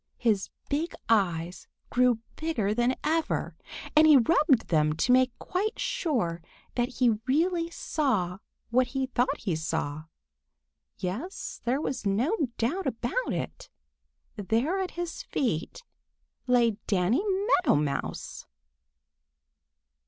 His big eyes grew bigger than ever, and he rubbed them to make quite sure that he really saw what he thought he saw. Yes, there was no doubt about it—there at his feet lay Danny Meadow Mouse!